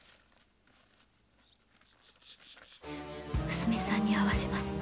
・「娘さんに会わせます」